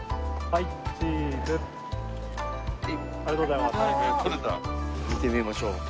はい見てみましょうか。